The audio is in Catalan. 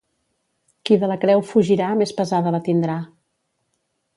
Qui de la creu fugirà més pesada la tindrà.